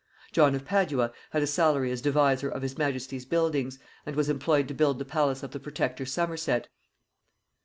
John of Padua had a salary as deviser of his majesty's buildings, and was employed to build the palace of the protector Somerset.